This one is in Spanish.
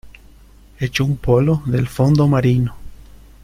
echo un polo del fondo marino.